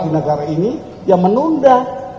di negara ini yang menunda